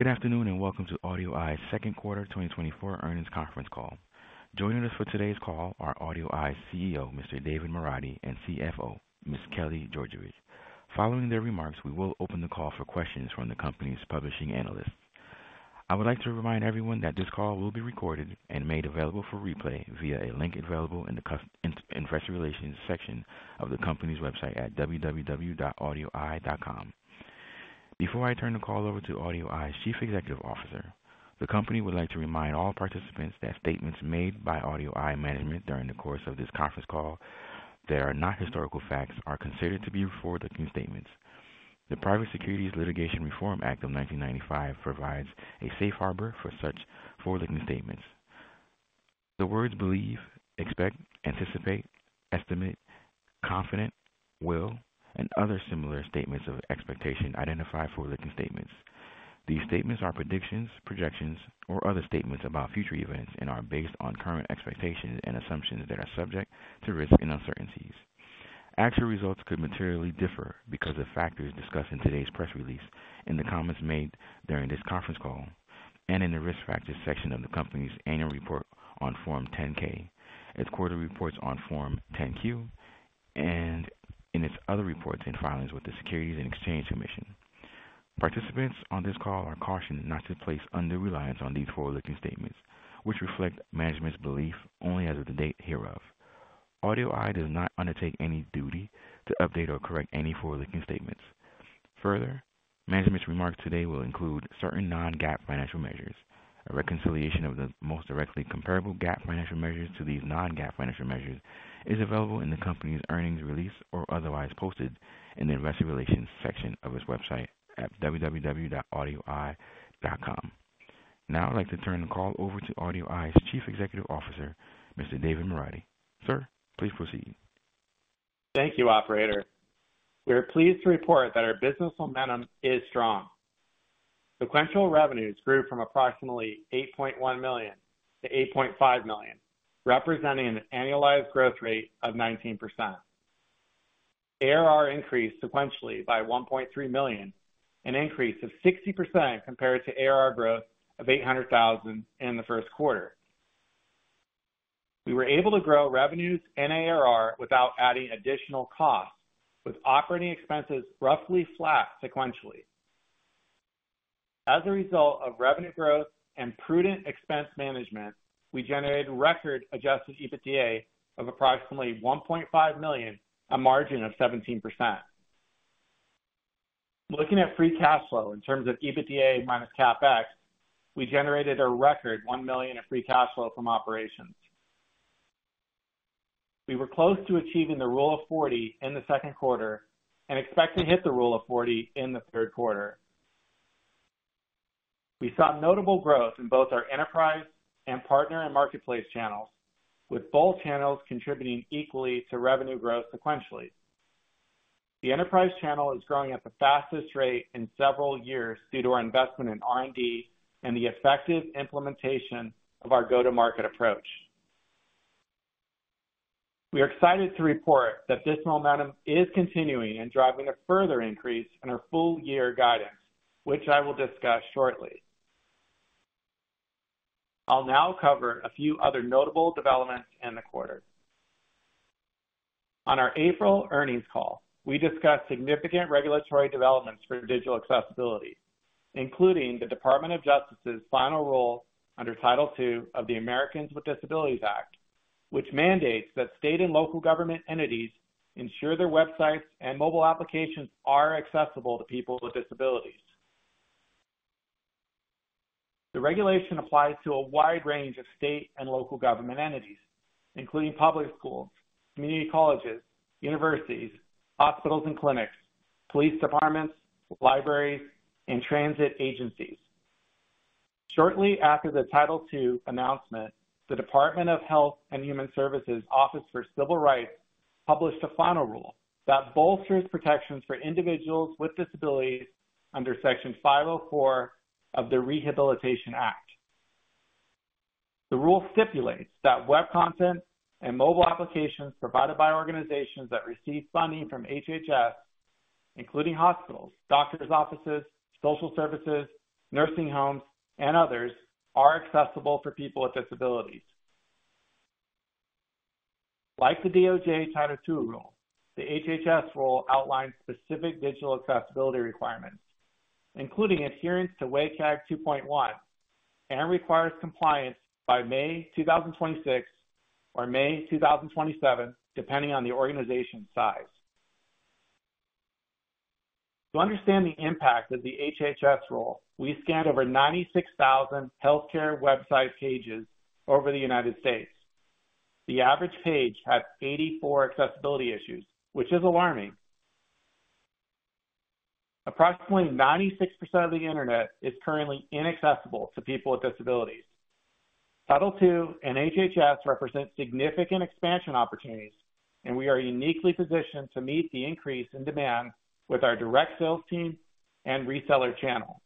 Good afternoon, and welcome to AudioEye's second quarter 2024 earnings conference call. Joining us for today's call are AudioEye's CEO, Mr. David Moradi, and CFO, Ms. Kelly Georgevich. Following their remarks, we will open the call for questions from the company's publishing analysts. I would like to remind everyone that this call will be recorded and made available for replay via a link available in the Investor Relations section of the company's website at www.audioeye.com. Before I turn the call over to AudioEye's Chief Executive Officer, the company would like to remind all participants that statements made by AudioEye management during the course of this conference call that are not historical facts are considered to be forward-looking statements. The Private Securities Litigation Reform Act of 1995 provides a safe harbor for such forward-looking statements. The words believe, expect, anticipate, estimate, confident, will, and other similar statements of expectation identify forward-looking statements. These statements are predictions, projections, or other statements about future events and are based on current expectations and assumptions that are subject to risks and uncertainties. Actual results could materially differ because of factors discussed in today's press release. In the comments made during this conference call, and in the Risk Factors section of the company's annual report on Form 10-K, its quarterly reports on Form 10-Q, and in its other reports and filings with the Securities and Exchange Commission. Participants on this call are cautioned not to place undue reliance on these forward-looking statements, which reflect management's belief only as of the date hereof. AudioEye does not undertake any duty to update or correct any forward-looking statements. Further, management's remarks today will include certain non-GAAP financial measures. A reconciliation of the most directly comparable GAAP financial measures to these non-GAAP financial measures is available in the company's earnings release or otherwise posted in the Investor Relations section of its website at www.audioeye.com. Now I'd like to turn the call over to AudioEye's Chief Executive Officer, Mr. David Moradi. Sir, please proceed. Thank you, operator. We are pleased to report that our business momentum is strong. Sequential revenues grew from approximately $8.1 million to $8.5 million, representing an annualized growth rate of 19%. ARR increased sequentially by $1.3 million, an increase of 60% compared to ARR growth of $800,000 in the first quarter. We were able to grow revenues and ARR without adding additional costs, with operating expenses roughly flat sequentially. As a result of revenue growth and prudent expense management, we generated record Adjusted EBITDA of approximately $1.5 million, a margin of 17%. Looking at Free Cash Flow in terms of EBITDA minus CapEx, we generated a record $1 million in Free Cash Flow from operations. We were close to achieving the Rule of 40 in the second quarter and expect to hit the Rule of 40 in the third quarter. We saw notable growth in both our enterprise and partner and marketplace channels, with both channels contributing equally to revenue growth sequentially. The enterprise channel is growing at the fastest rate in several years due to our investment in R&D and the effective implementation of our go-to-market approach. We are excited to report that this momentum is continuing and driving a further increase in our full-year guidance, which I will discuss shortly. I'll now cover a few other notable developments in the quarter. On our April earnings call, we discussed significant regulatory developments for digital accessibility, including the Department of Justice's final rule under Title II of the Americans with Disabilities Act, which mandates that state and local government entities ensure their websites and mobile applications are accessible to people with disabilities. The regulation applies to a wide range of state and local government entities, including public schools, community colleges, universities, hospitals and clinics, police departments, libraries, and transit agencies. Shortly after the Title II announcement, the Department of Health and Human Services Office for Civil Rights published a final rule that bolsters protections for individuals with disabilities under Section 504 of the Rehabilitation Act. The rule stipulates that web content and mobile applications provided by organizations that receive funding from HHS, including hospitals, doctor's offices, social services, nursing homes, and others, are accessible for people with disabilities. Like the DOJ Title II rule, the HHS rule outlines specific digital accessibility requirements, including adherence to WCAG 2.1, and requires compliance by May 2026 or May 2027, depending on the organization's size. To understand the impact of the HHS rule, we scanned over 96,000 healthcare website pages over the United States. The average page had 84 accessibility issues, which is alarming. Approximately 96% of the internet is currently inaccessible to people with disabilities. Title II and HHS represent significant expansion opportunities, and we are uniquely positioned to meet the increase in demand with our direct sales team and reseller channel.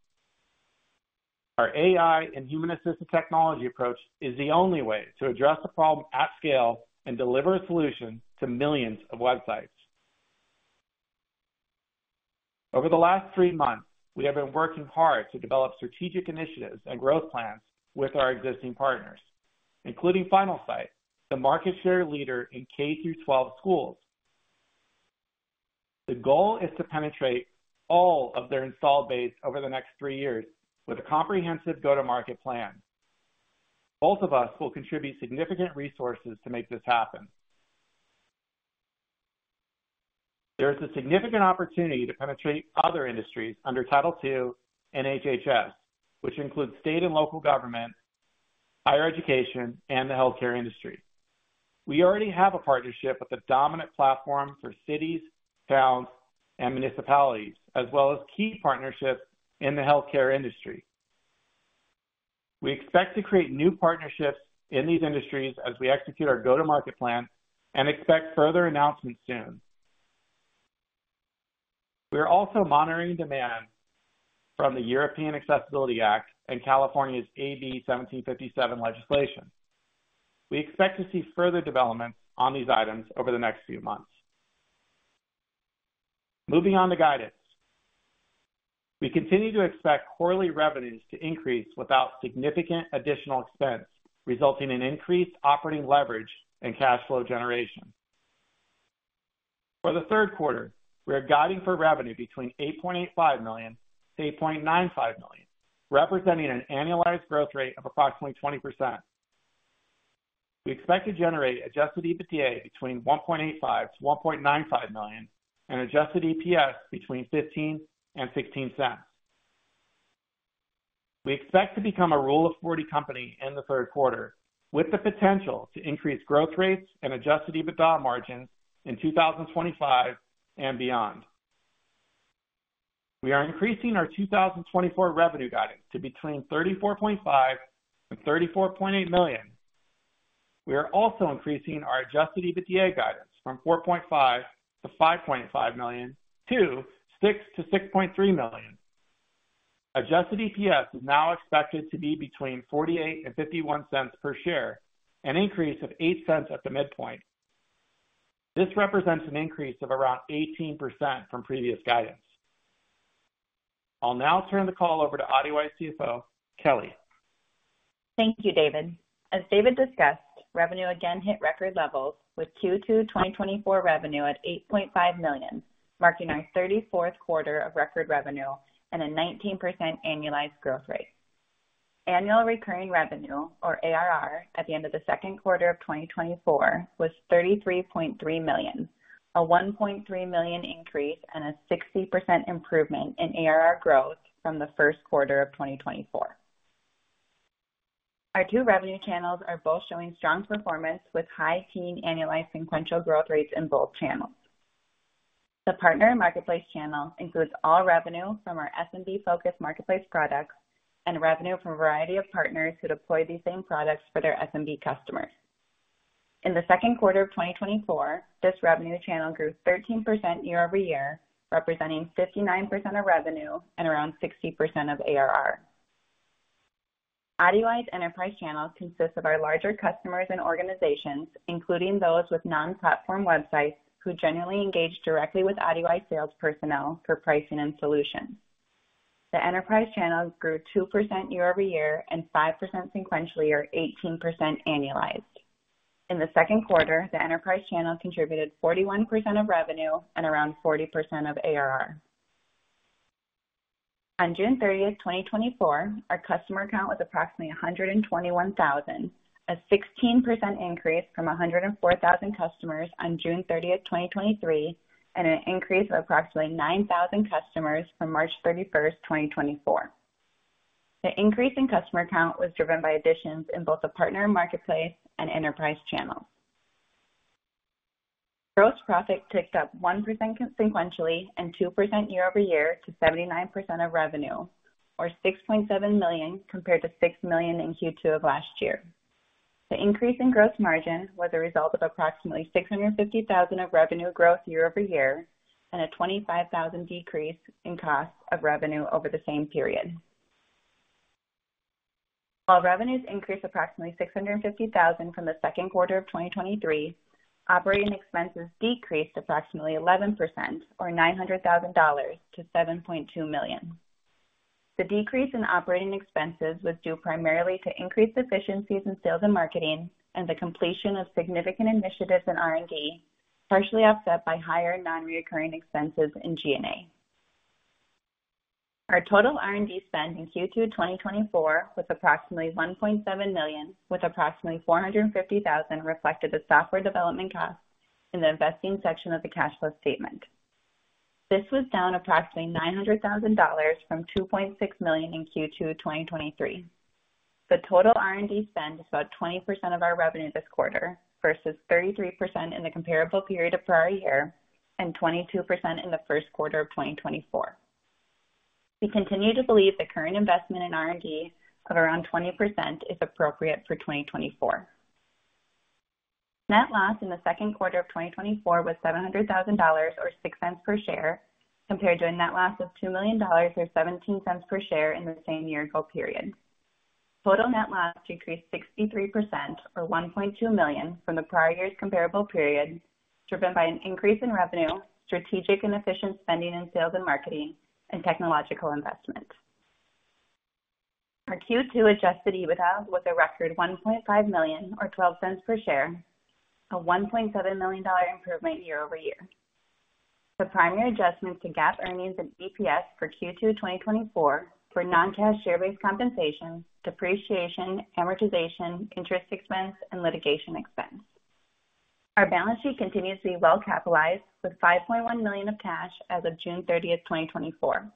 Our AI and human-assisted technology approach is the only way to address the problem at scale and deliver a solution to millions of websites. Over the last three months, we have been working hard to develop strategic initiatives and growth plans with our existing partners, including Finalsite, the market share leader in K-12 schools. The goal is to penetrate all of their installed base over the next three years with a comprehensive go-to-market plan. Both of us will contribute significant resources to make this happen. There is a significant opportunity to penetrate other industries under Title II and HHS, which includes state and local government, higher education, and the healthcare industry. We already have a partnership with the dominant platform for cities, towns, and municipalities, as well as key partnerships in the healthcare industry. We expect to create new partnerships in these industries as we execute our go-to-market plan and expect further announcements soon. We are also monitoring demand from the European Accessibility Act and California's AB 1757 legislation. We expect to see further developments on these items over the next few months. Moving on to guidance. We continue to expect quarterly revenues to increase without significant additional expense, resulting in increased operating leverage and cash flow generation. For the Q3, we are guiding for revenue between $8.85 million-$8.95 million, representing an annualized growth rate of approximately 20%. We expect to generate Adjusted EBITDA between $1.85 million-$1.95 million and Adjusted EPS between $0.15 and $0.16. We expect to become a Rule of 40 company in the third quarter, with the potential to increase growth rates and Adjusted EBITDA margins in 2025 and beyond. We are increasing our 2024 revenue guidance to between $34.5 million and $34.8 million. We are also increasing our Adjusted EBITDA guidance from $4.5-$5.5 million to $6-$6.3 million. Adjusted EPS is now expected to be between $0.48 and $0.51 per share, an increase of $0.08 at the midpoint. This represents an increase of around 18% from previous guidance. I'll now turn the call over to AudioEye's CFO, Kelly. Thank you, David. As David discussed, revenue again hit record levels, with Q2 2024 revenue at $8.5 million, marking our 34th quarter of record revenue and a 19% annualized growth rate. Annual recurring revenue, or ARR, at the end of the second quarter of 2024 was $33.3 million, a $1.3 million increase and a 60% improvement in ARR growth from the first quarter of 2024. Our two revenue channels are both showing strong performance, with high teen annualized sequential growth rates in both channels. The partner and marketplace channel includes all revenue from our SMB-focused marketplace products and revenue from a variety of partners who deploy these same products for their SMB customers. In the second quarter of 2024, this revenue channel grew 13% year-over-year, representing 59% of revenue and around 60% of ARR. AudioEye enterprise channel consists of our larger customers and organizations, including those with non-platform websites, who generally engage directly with AudioEye sales personnel for pricing and solutions. The enterprise channel grew 2% year-over-year and 5% sequentially, or 18% annualized. In the second quarter, the enterprise channel contributed 41% of revenue and around 40% of ARR. On June 30, 2024, our customer count was approximately 121,000, a 16% increase from 104,000 customers on June 30, 2023, and an increase of approximately 9,000 customers from March 31, 2024. The increase in customer count was driven by additions in both the partner marketplace and enterprise channels. Gross profit ticked up 1% sequentially and 2% year-over-year to 79% of revenue, or $6.7 million, compared to $6 million in Q2 of last year. The increase in gross margin was a result of approximately $650,000 of revenue growth year-over-year and a $25,000 decrease in cost of revenue over the same period. While revenues increased approximately $650,000 from the second quarter of 2023, operating expenses decreased approximately 11% or $900,000 to $7.2 million. The decrease in operating expenses was due primarily to increased efficiencies in sales and marketing and the completion of significant initiatives in R&D, partially offset by higher non-recurring expenses in G&A. Our total R&D spend in Q2 2024 was approximately $1.7 million, with approximately $450,000 reflected as software development costs in the investing section of the cash flow statement. This was down approximately $900,000 from $2.6 million in Q2 2023. The total R&D spend is about 20% of our revenue this quarter, versus 33% in the comparable period of prior year and 22% in the first quarter of 2024. We continue to believe the current investment in R&D of around 20% is appropriate for 2024. Net loss in the second quarter of 2024 was $700,000, or $0.06 per share, compared to a net loss of $2 million or $0.17 per share in the same year-ago period. Total net loss increased 63%, or $1.2 million from the prior year's comparable period, driven by an increase in revenue, strategic and efficient spending in sales and marketing, and technological investments. Our Q2 adjusted EBITDA was a record $1.5 million or $0.12 per share, a $1.7 million improvement year over year. The primary adjustments to GAAP earnings and EPS for Q2 2024 were non-cash share-based compensation, depreciation, amortization, interest expense, and litigation expense. Our balance sheet continues to be well capitalized, with $5.1 million of cash as of June 30, 2024.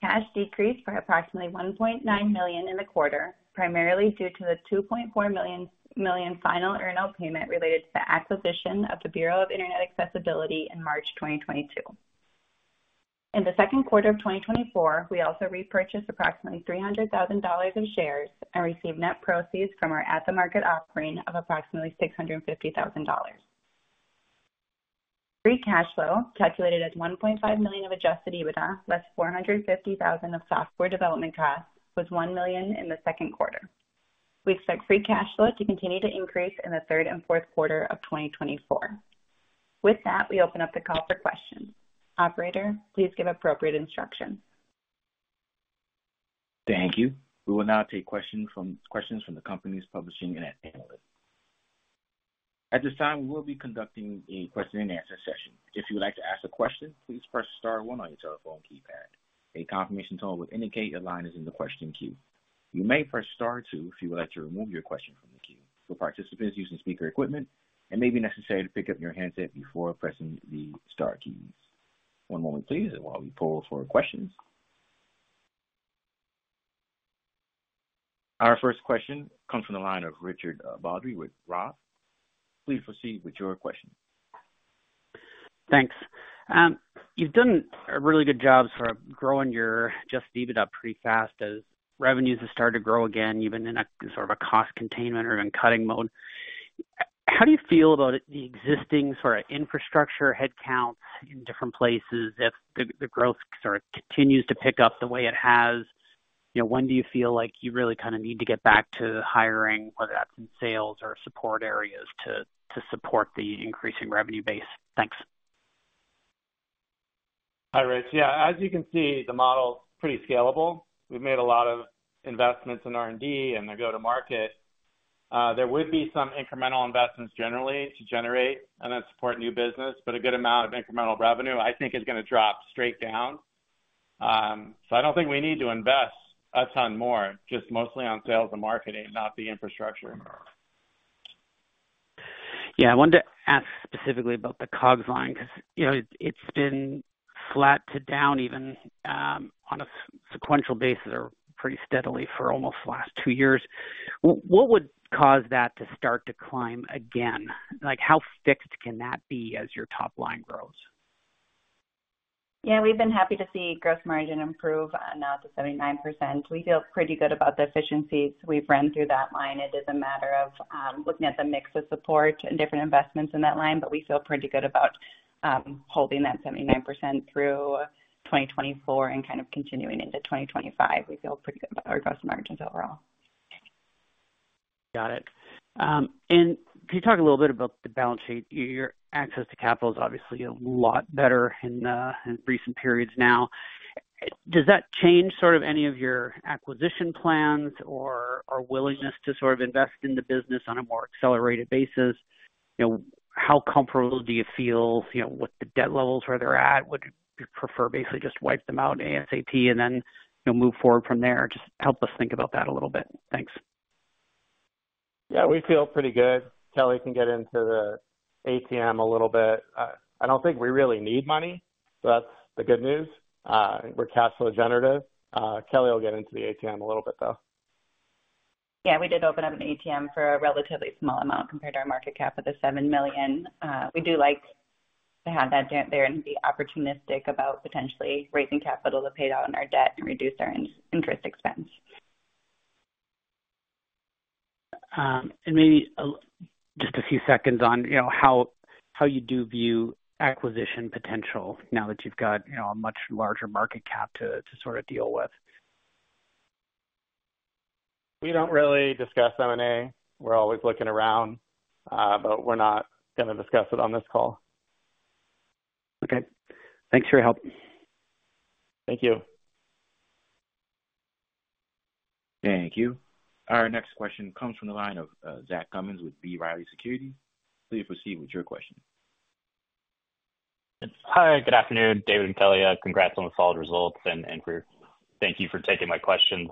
Cash decreased by approximately $1.9 million in the quarter, primarily due to the $2.4 million final earnout payment related to the acquisition of the Bureau of Internet Accessibility in March 2022. In the Q2 of 2024, we also repurchased approximately $300,000 in shares and received net proceeds from our at-the-market offering of approximately $650,000. Free Cash Flow, calculated as $1.5 million of Adjusted EBITDA less $450,000 of software development costs, was $1 million in the second quarter. We expect Free Cash Flow to continue to increase in the third and fourth quarter of 2024. With that, we open up the call for questions. Operator, please give appropriate instruction. Thank you. We will now take questions from the investing public and analysts. At this time, we will be conducting a question and answer session. If you would like to ask a question, please press star one on your telephone keypad. A confirmation tone will indicate your line is in the question queue. You may press star two if you would like to remove your question from the queue. For participants using speaker equipment, it may be necessary to pick up your handset before pressing the star keys. One moment please, while we poll for questions. Our first question comes from the line of Richard Baldry with Roth. Please proceed with your question. Thanks. You've done a really good job sort of growing your Adjusted EBITDA pretty fast as revenues have started to grow again, even in a sort of a cost containment or in cutting mode. How do you feel about the existing sort of infrastructure headcount in different places if the growth sort of continues to pick up the way it has? You know, when do you feel like you really kind of need to get back to hiring, whether that's in sales or support areas, to support the increasing revenue base? Thanks. Hi, Richard. Yeah, as you can see, the model's pretty scalable. We've made a lot of investments in R&D and the go-to-market. There would be some incremental investments generally to generate and then support new business, but a good amount of incremental revenue, I think, is gonna drop straight down. So I don't think we need to invest a ton more, just mostly on sales and marketing, not the infrastructure. Yeah, I wanted to ask specifically about the COGS line, because, you know, it's been flat to down even, on a sequential basis or pretty steadily for almost the last two years. What would cause that to start to climb again? Like, how fixed can that be as your top line grows? Yeah, we've been happy to see gross margin improve now to 79%. We feel pretty good about the efficiencies we've run through that line. It is a matter of looking at the mix of support and different investments in that line, but we feel pretty good about holding that 79% through 2024 and kind of continuing into 2025. We feel pretty good about our gross margins overall. Got it. And can you talk a little bit about the balance sheet? Your access to capital is obviously a lot better in recent periods now. Does that change sort of any of your acquisition plans or willingness to sort of invest in the business on a more accelerated basis? You know, how comfortable do you feel, you know, with the debt levels, where they're at? Would you prefer basically just wipe them out ASAP and then, you know, move forward from there? Just help us think about that a little bit. Thanks. Yeah, we feel pretty good. Kelly can get into the ATM a little bit. I don't think we really need money, so that's the good news. We're cash flow generative. Kelly will get into the ATM a little bit, though. Yeah, we did open up an ATM for a relatively small amount compared to our market cap of $7 million. We do like to have that there and be opportunistic about potentially raising capital to pay down our debt and reduce our interest expense. And maybe just a few seconds on, you know, how you do view acquisition potential now that you've got, you know, a much larger market cap to sort of deal with. We don't really discuss M&A. We're always looking around, but we're not gonna discuss it on this call. Okay. Thanks for your help. Thank you. Thank you. Our next question comes from the line of, Zach Cummins with B. Riley Securities. Please proceed with your question. Hi, good afternoon, David and Kelly. Congrats on the solid results, and thank you for taking my questions.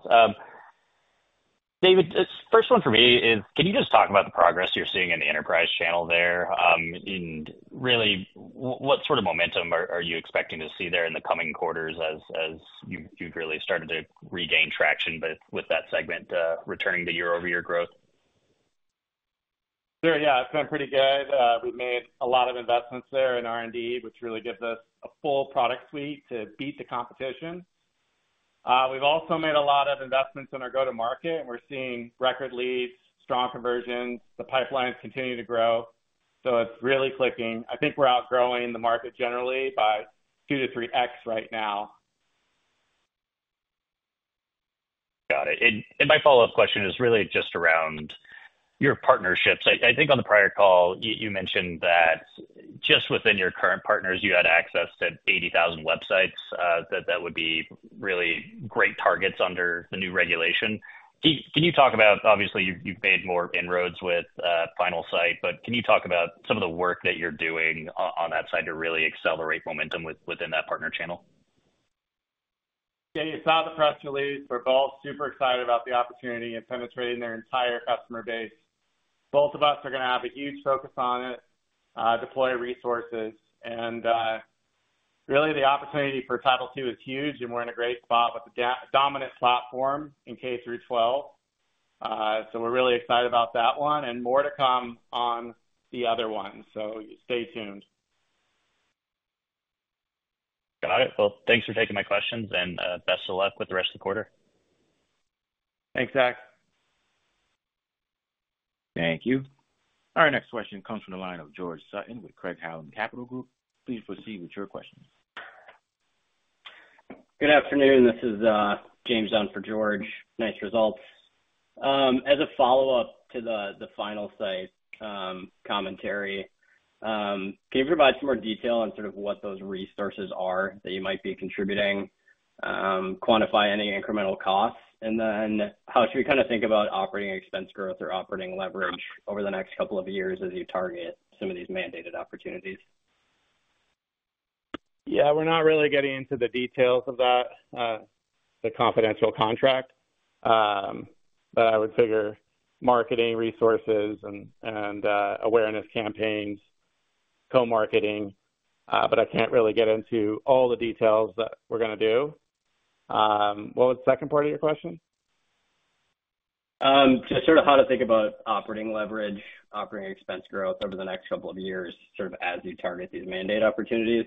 David, this first one for me is, can you just talk about the progress you're seeing in the enterprise channel there? And really, what sort of momentum are you expecting to see there in the coming quarters as you've really started to regain traction with that segment, returning to year-over-year growth? Sure. Yeah, it's been pretty good. We've made a lot of investments there in R&D, which really gives us a full product suite to beat the competition. We've also made a lot of investments in our go-to-market, and we're seeing record leads, strong conversions. The pipelines continue to grow... So it's really clicking. I think we're outgrowing the market generally by 2-3x right now. Got it. And my follow-up question is really just around your partnerships. I think on the prior call, you mentioned that just within your current partners, you had access to 80,000 websites, that would be really great targets under the new regulation. Can you talk about... Obviously, you've made more inroads with Finalsite, but can you talk about some of the work that you're doing on that side to really accelerate momentum within that partner channel? Yeah, you saw the press release. We're both super excited about the opportunity and penetrating their entire customer base. Both of us are gonna have a huge focus on it, deploy resources. And really, the opportunity for Title II is huge, and we're in a great spot with a game-dominant platform in K through twelve. So we're really excited about that one, and more to come on the other ones, so stay tuned. Got it. Well, thanks for taking my questions, and best of luck with the rest of the quarter. Thanks, Zach. Thank you. Our next question comes from the line of George Sutton with Craig-Hallum Capital Group. Please proceed with your questions. Good afternoon. This is James in for George. Nice results. As a follow-up to the Finalsite commentary, can you provide some more detail on sort of what those resources are that you might be contributing, quantify any incremental costs? And then how should we kinda think about operating expense growth or operating leverage over the next couple of years as you target some of these mandated opportunities? Yeah, we're not really getting into the details of that, the confidential contract. But I would figure marketing resources and awareness campaigns, co-marketing, but I can't really get into all the details that we're gonna do. What was the second part of your question? Just sort of how to think about operating leverage, operating expense growth over the next couple of years, sort of as you target these mandate opportunities.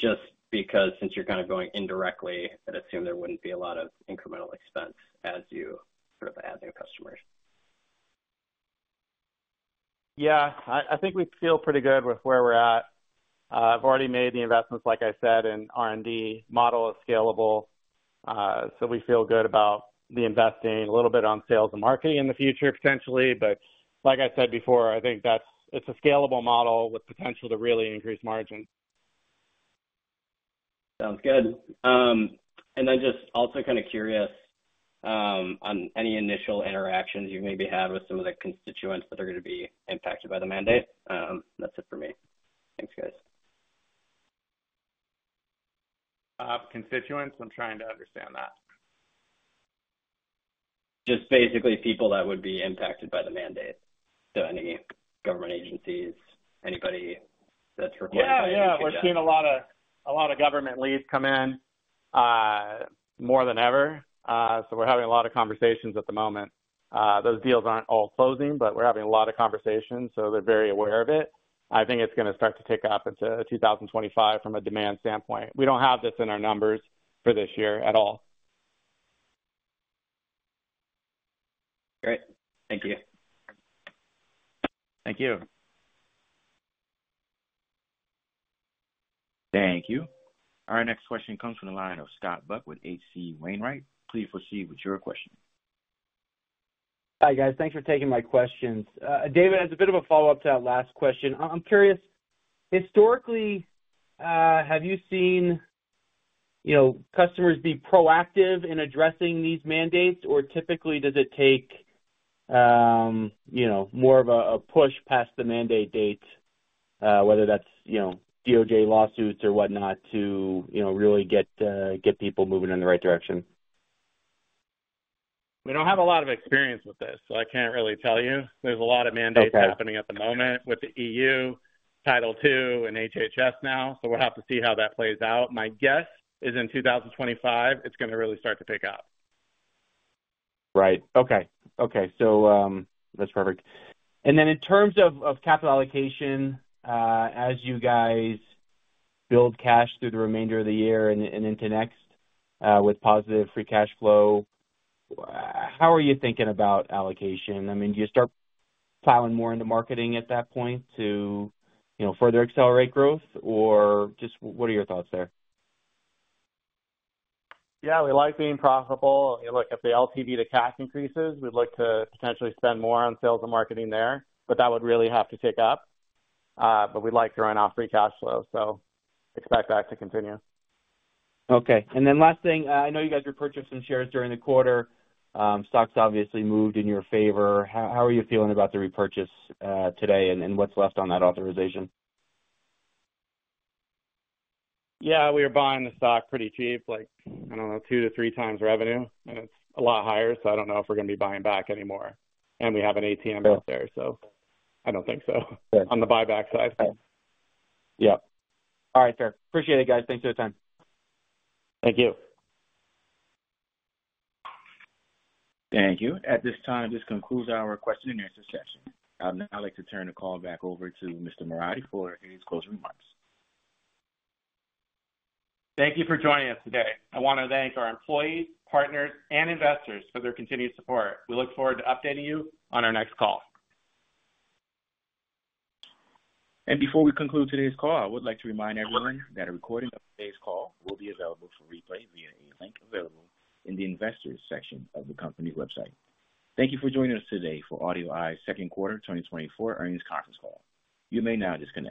Just because since you're kind of going indirectly, I'd assume there wouldn't be a lot of incremental expense as you sort of add new customers. Yeah. I think we feel pretty good with where we're at. I've already made the investments, like I said, in R&D. Model is scalable, so we feel good about the investing. A little bit on sales and marketing in the future, potentially, but like I said before, I think that's, it's a scalable model with potential to really increase margins. Sounds good. And then just also kind of curious on any initial interactions you maybe had with some of the constituents that are gonna be impacted by the mandate? That's it for me. Thanks, guys. Constituents? I'm trying to understand that. Just basically people that would be impacted by the mandate, so any government agencies, anybody that's required- Yeah, yeah. We're seeing a lot of, a lot of government leads come in, more than ever. So we're having a lot of conversations at the moment. Those deals aren't all closing, but we're having a lot of conversations, so they're very aware of it. I think it's gonna start to pick up into 2025 from a demand standpoint. We don't have this in our numbers for this year at all. Great. Thank you. Thank you. Thank you. Our next question comes from the line of Scott Buck with H.C. Wainwright. Please proceed with your question. Hi, guys. Thanks for taking my questions. David, as a bit of a follow-up to that last question, I'm curious, historically, have you seen, you know, customers be proactive in addressing these mandates, or typically, does it take, you know, more of a push past the mandate date, whether that's, you know, DOJ lawsuits or whatnot, to, you know, really get people moving in the right direction? We don't have a lot of experience with this, so I can't really tell you. Okay. There's a lot of mandates happening at the moment with the EU, Title II, and HHS now, so we'll have to see how that plays out. My guess is in 2025, it's gonna really start to pick up. Right. Okay. Okay. So, that's perfect. And then in terms of, of capital allocation, as you guys build cash through the remainder of the year and into next, with positive free cash flow, how are you thinking about allocation? I mean, do you start plowing more into marketing at that point to, you know, further accelerate growth, or just what are your thoughts there? Yeah, we like being profitable. Look, if the LTV to CAC increases, we'd look to potentially spend more on sales and marketing there, but that would really have to pick up. But we like growing our free cash flow, so expect that to continue. Okay. And then last thing, I know you guys repurchased some shares during the quarter. Stocks obviously moved in your favor. How, how are you feeling about the repurchase, today and, and what's left on that authorization? Yeah, we were buying the stock pretty cheap, like, I don't know, 2-3 times revenue, and it's a lot higher, so I don't know if we're gonna be buying back anymore. And we have an ATM out there- Sure. I don't think so. Sure. On the buyback side. Yeah. All right, sir. Appreciate it, guys. Thanks for your time. Thank you. Thank you. At this time, this concludes our question and answer session. I'd now like to turn the call back over to Mr. Moradi for any closing remarks. Thank you for joining us today. I want to thank our employees, partners, and investors for their continued support. We look forward to updating you on our next call. Before we conclude today's call, I would like to remind everyone that a recording of today's call will be available for replay via a link available in the Investors section of the company's website. Thank you for joining us today for AudioEye's Q2 2024 earnings conference call. You may now disconnect.